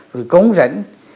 rồi cống rãnh